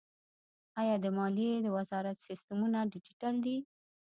آیا د مالیې وزارت سیستمونه ډیجیټل دي؟